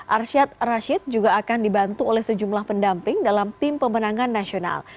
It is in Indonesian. arsyad rashid juga akan dibantu oleh sejumlah pendamping dalam tim pemenangan nasional